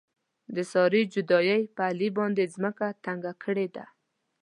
د سارې جدایۍ په علي باندې ځمکه تنګه کړې ده.